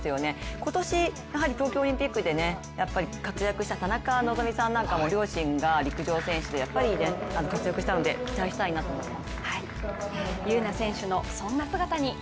今年、東京オリンピックで活躍した田中希実さんなんかも両親が陸上選手で活躍したので期待したいなと思っています。